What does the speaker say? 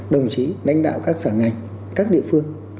đồng chí đánh đạo các xã ngành các địa phương